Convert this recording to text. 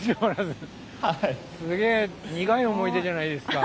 苦い思い出じゃないですか。